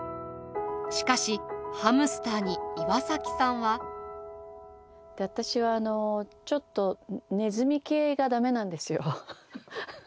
しかしハムスターに岩崎さんは。私はあのちょっとネズミ系がダメなんですよ。